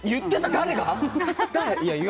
誰が？